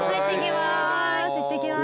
入ってきます。